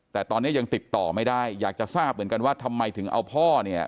แต่ตอนนี้ยังติดต่อไม่ได้อยากจะทราบเหมือนกันว่าทำไมถึงเอาพ่อเนี่ย